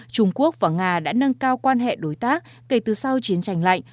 trung quốc và nga đã nâng cao quan hệ đối tác kể từ sau chiến tranh lạnh